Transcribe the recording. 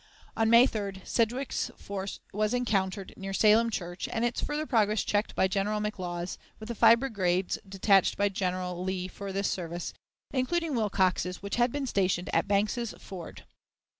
On May 3d Sedgwick's force was encountered near Salem Church, and its further progress checked by General McLaws, with the five brigades detached by General Lee for this service, including Wilcox's, which had been stationed at Banks's Ford.